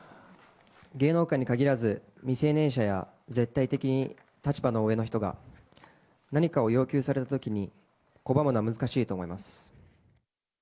芸能界に限らず、未成年者や絶対的に立場の上の人が、何かを要求されたときに拒むのは難しいと思います。